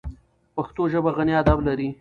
پښتو ژبه غني ادب لري.